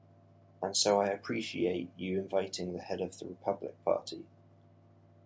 And so I appreciate you inviting the head of the Republic Party.